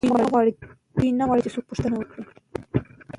دوی نه غواړي چې څوک پوښتنه وکړي.